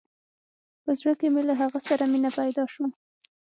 په زړه کښې مې له هغه سره مينه پيدا سوه.